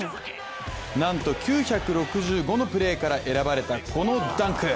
なんと９６５のプレーから選ばれたこのダンク。